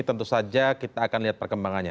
tentu saja kita akan lihat perkembangannya